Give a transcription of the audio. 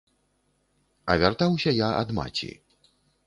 А вяртаўся я ад маці.